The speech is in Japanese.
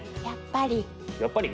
やっぱり！